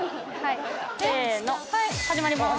せの始まります。